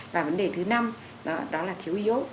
và vấn đề thứ năm đó là thiếu iốt